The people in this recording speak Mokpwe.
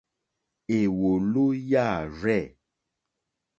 Èwòló yâ rzɛ̂.